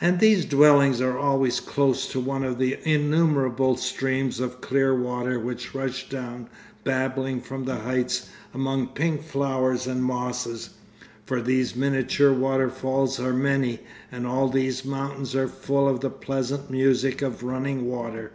And these dwellings are always close to one of the innumerable streams of clear water which rush down babbling from the heights, among pink flowers and mosses for these miniature waterfalls are many, and all these mountains are full of the pleasant music of running water.